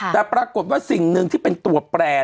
แต่ปรากฏว่าสิ่งหนึ่งที่เป็นตัวแปร